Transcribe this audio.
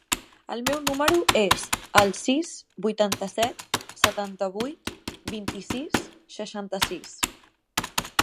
El meu número es el sis, vuitanta-set, setanta-vuit, vint-i-sis, seixanta-sis.